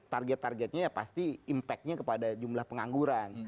target targetnya ya pasti impactnya kepada jumlah pengangguran